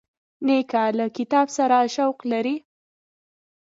نیکه له کتاب سره شوق لري.